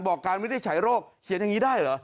การวินิจฉัยโรคเขียนอย่างนี้ได้เหรอ